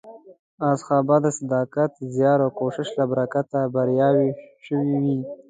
اصحابو د صداقت، زیار او کوښښ له برکته بریاوې شوې.